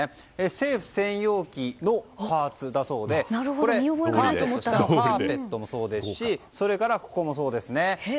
政府専用機のパーツだそうでこれ、下にあるカーペットもそうですしそれからここもそうですね。